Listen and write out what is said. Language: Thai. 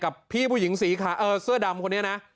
พี่ผู้หญิงสีขาวเสื้อดำคนนี้นะ